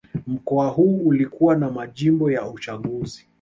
Mkoa huu ulikuwa na majimbo ya uchaguzi